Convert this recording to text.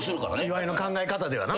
岩井の考え方ではな。